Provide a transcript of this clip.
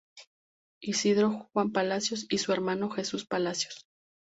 Isidro-Juan Palacios y su hermano Jesús Palacios.